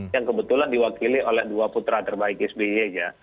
yang kebetulan diwakili oleh dua putra terbaik sby ya